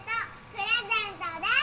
「プレゼントです！」